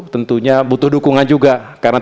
tentunya butuh dukungan juga karena